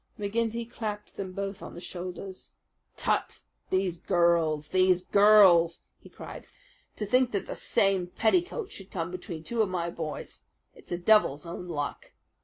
McGinty clapped them both on the shoulders. "Tut! These girls! These girls!" he cried. "To think that the same petticoats should come between two of my boys! It's the devil's own luck!